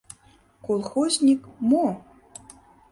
Колхозник — мо?